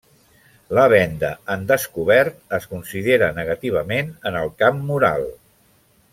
La venda en descobert es considera negativament en el camp moral.